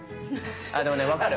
あでもね分かる！